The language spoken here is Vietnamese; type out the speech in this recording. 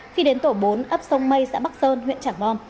khi đến tổ bốn ấp sông mây xã bắc sơn huyện trảng bom